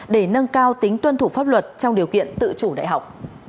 để nâng cao tính tuân thủ pháp luật trong điều kiện tự chủ đại học